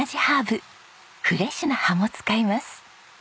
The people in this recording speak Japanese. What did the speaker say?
フレッシュな葉も使います。